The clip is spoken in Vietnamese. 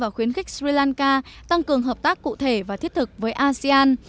và khuyến khích sri lanka tăng cường hợp tác cụ thể và thiết thực với asean